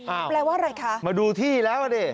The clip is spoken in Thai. อ้าวแปลว่าอะไรคะมาดูที่แล้วอ่ะเนี่ย